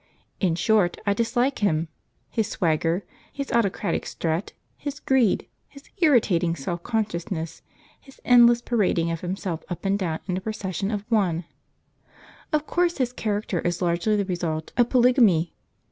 In short, I dislike him; his swagger, his autocratic strut, his greed, his irritating self consciousness, his endless parading of himself up and down in a procession of one. Of course his character is largely the result of polygamy.